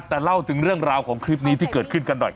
แต่เล่าถึงเรื่องราวของคลิปนี้ที่เกิดขึ้นกันหน่อย